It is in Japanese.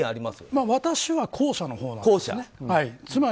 私は後者のほうです。